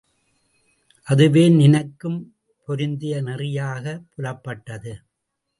அதுவே நினக்கும் பொருந்திய நெறியாகப் புலப்பட்டது.